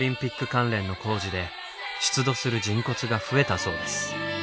関連の工事で出土する人骨が増えたそうです。